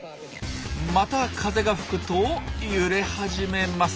また風が吹くと揺れ始めます。